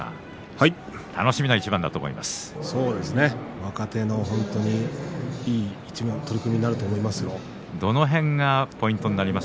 若手が本当にいい取組になると思います。